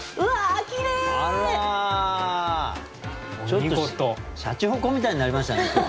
ちょっとしゃちほこみたいになりましたね。